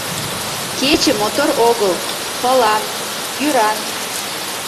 Кече мотор огыл — пылан, йӱран.